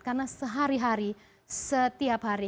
karena sehari hari setiap hari